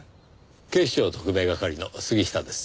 警視庁特命係の杉下です。